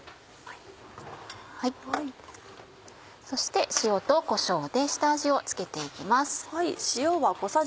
そして塩とこしょうで下味を付けて行きます。